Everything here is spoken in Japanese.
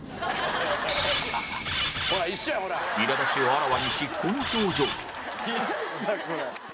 苛立ちをあらわにしこの表情